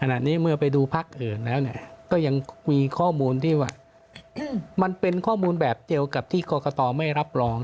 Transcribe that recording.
ขณะนี้เมื่อไปดูพักอื่นแล้วก็ยังมีข้อมูลที่ว่ามันเป็นข้อมูลแบบเดียวกับที่กรกตไม่รับรอง